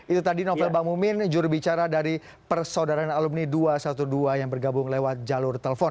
itu tadi novel bang mumin jurubicara dari persaudaraan alumni dua ratus dua belas yang bergabung lewat jalur telepon